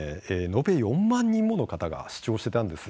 延べ４万人もの方が視聴していたんです。